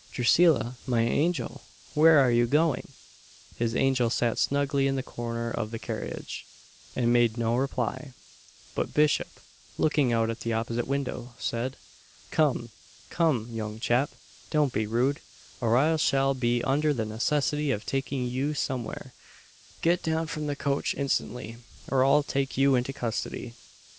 "Drusilla, my angel! where are you going?" His angel sat snugly in the corner of the carriage, and made no reply; but Bishop, looking out at the opposite window, said, "Come, come, young chap, don't be rude; or I shall be under the necessity of taking you somewhere get down from the coach instantly, or I'll take you into custody."